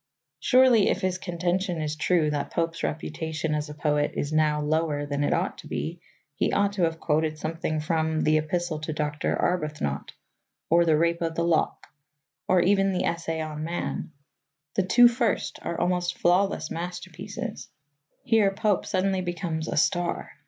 Surely, if his contention is true that Pope's reputation as a poet is now lower than it ought to be, he ought to have quoted something from the Epistle to Dr. Arbuthnot or The Rape of the Lock, or even The Essay on Man. The two first are almost flawless masterpieces. Here Pope suddenly becomes a star.